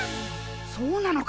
そうなのか！？